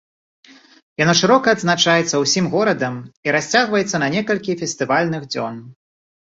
Яно шырока адзначаецца ўсім горадам і расцягваецца на некалькі фестывальных дзён.